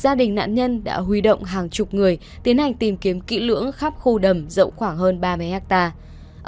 gia đình nạn nhân đã huy động hàng chục người tiến hành tìm kiếm kỹ lưỡng khắp khu đầm rộng khoảng hơn ba mươi hectare